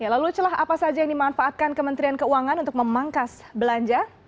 lalu celah apa saja yang dimanfaatkan kementerian keuangan untuk memangkas belanja